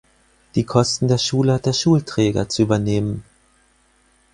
Die Kosten der Schule hat der Schulträger zu übernehmen.